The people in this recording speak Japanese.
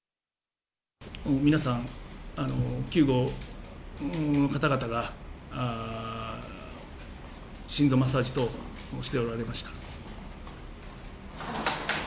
皆さん、救護の方々が、心臓マッサージ等しておられました。